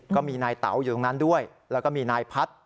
ก็มีนายเต๋าอยู่ตรงนั้นด้วยแล้วก็มีนายพัฒน์